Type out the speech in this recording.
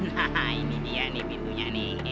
nah ini dia pintunya